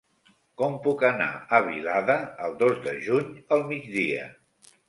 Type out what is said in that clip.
Com puc anar a Vilada el dos de juny al migdia?